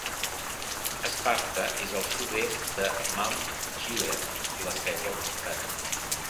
Sparta és al sud-est de Mount Gilead, la seu del comtat.